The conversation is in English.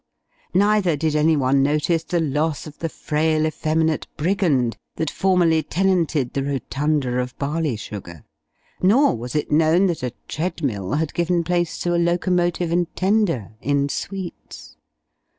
Neither did any one notice the loss of the frail effeminate brigand, that formerly tenanted the rotunda of barley sugar; nor was it known that a treadmill had given place to a locomotive and tender in sweets.